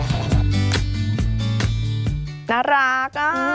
น่ารักอ่ะ